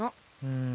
うん。